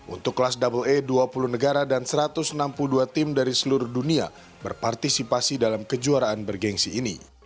untuk kelas a dua puluh negara dan satu ratus enam puluh dua tim dari seluruh dunia berpartisipasi dalam kejuaraan bergensi ini